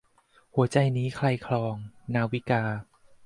หัวใจนี้ใครครอง - นาวิกา